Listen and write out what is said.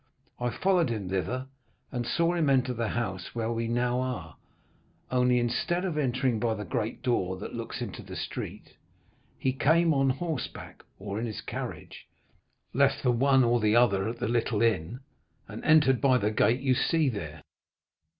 I followed him thither, and I saw him enter the house where we now are, only, instead of entering by the great door that looks into the street, he came on horseback, or in his carriage, left the one or the other at the little inn, and entered by the gate you see there."